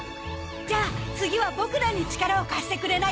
じゃあ次はボクらに力を貸してくれないかな？